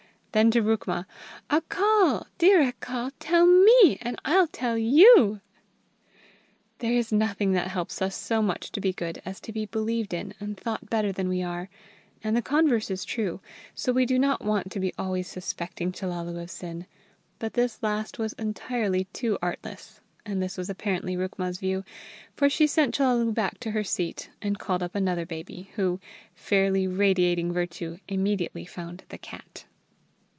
Then to Rukma: "Accal! dear Accal! Tell me, and I'll tell you!" There is nothing that helps us so much to be good as to be believed in and thought better than we are; and the converse is true, so we do not want to be always suspecting Chellalu of sin; but this last was entirely too artless, and this was apparently Rukma's view, for she sent Chellalu back to her seat and called up another baby, who, fairly radiating virtue, immediately found the cat.